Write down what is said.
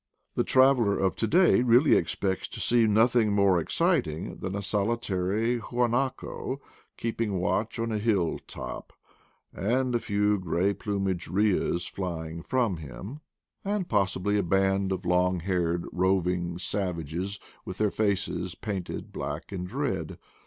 The traveler of to day really expects to see nothing more exciting than a solitary huan aco keeping watch on a hill top, and a few gray plumaged rheas flying from him, and, possibly, a THE PLAINS OF PATAGONIA 203 band of long haired roving savages, with their faces painted black and red.